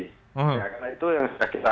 karena itu yang sudah kita